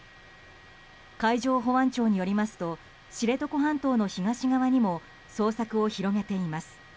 海上保安庁によりますと知床半島の東側にも捜索を広げています。